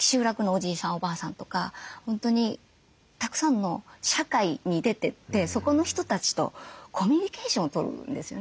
おばあさんとか本当にたくさんの社会に出てってそこの人たちとコミュニケーションを取るんですよね。